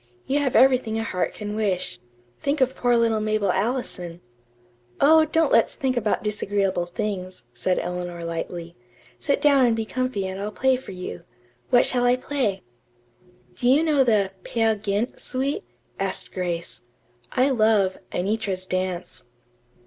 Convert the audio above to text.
You have everything a heart can wish. Think of poor little Mabel Allison." "Oh, don't let's think about disagreeable things," said Eleanor lightly. "Sit down and be comfy and I'll play for you. What shall I play?" "Do you know the 'Peer Gynt' suite?" asked Grace. "I love 'Anitra's Dance.'"